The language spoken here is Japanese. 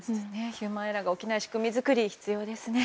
ヒューマンエラーが起きない仕組みづくりが必要ですね。